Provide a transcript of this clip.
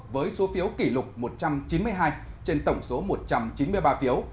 với số phiếu kỷ lục một trăm chín mươi hai trên tổng số một trăm chín mươi ba phiếu